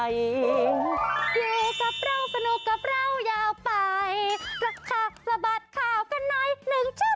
อยู่กับเราสนุกกับเรายาวไปสักพักสะบัดข่าวกันหน่อยหนึ่งช่วง